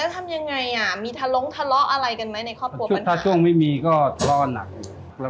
ทั้งใครทั้งมันแยกเลยอยู่ด้วยกันไม่ได้แล้วมีแต่โล่มโจมเลย